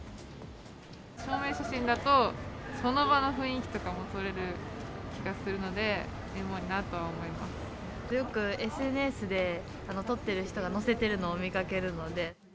証明写真だと、その場の雰囲気とかも撮れる気がするので、よくＳＮＳで撮ってる人が載せてるのを見かけるので。